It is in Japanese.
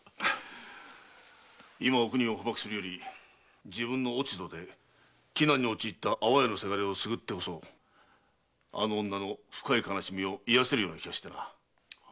今お邦を捕縛するより自分の落ち度で危難に陥った安房屋のせがれを救ってこそあの女の深い悲しみを癒せるような気がしてな。